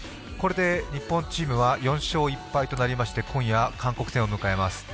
これで日本チームは４勝１敗となりまして今夜、韓国戦を迎えます。